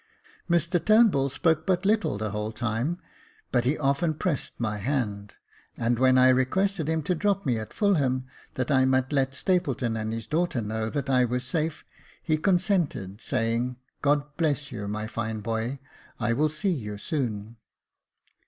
Mr Turnbull spoke but little the whole time ; but he often pressed my hand, and when I re quested him to drop me at Fulham, that I might let Stapleton and his daughter know that I was safe, he consented, saying, " God bless you, my fine boy ; I will see you soon."